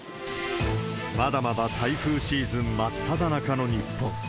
まだまだ台風シーズン真っただ中の日本。